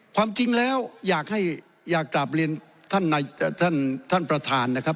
ความจริงแล้วอยากให้อยากกลับเรียนท่านประธานนะครับ